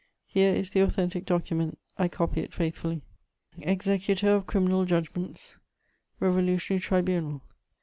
Here is the authentic document, I copy it faithfully: "Executor of Criminal Judgments, "REVOLUTIONARY TRIBUNAL.